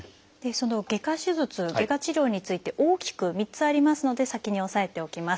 その外科手術外科治療について大きく３つありますので先に押さえておきます。